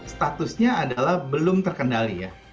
statusnya adalah belum terkendali ya